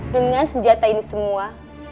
dengan senjata ini semua